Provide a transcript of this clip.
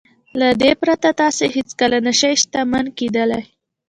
له دې پرته تاسې هېڅکله نه شئ شتمن کېدلای.